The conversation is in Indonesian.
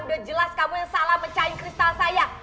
udah jelas kamu yang salah mencain kristal saya